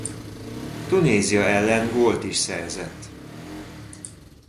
Tunézia ellen gólt is szerzett.